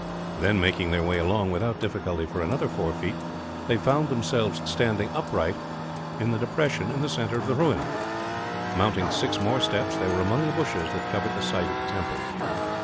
Then, making their way along without difficulty for another four feet, they found themselves standing upright in the depression in the centre of the ruin. Mounting six more steps, they were among the bushes that covered the site of the temple.